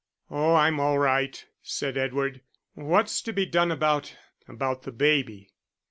"Oh, I'm all right," said Edward. "What's to be done about about the baby?"